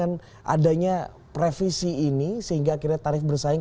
anda yakin dengan adanya previsi ini sehingga akhirnya tarif bersaing